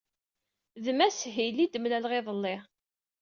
D Mass Hill ay d-mlaleɣ iḍelli.